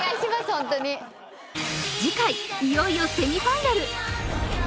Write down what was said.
ホントに次回いよいよセミファイナルわあ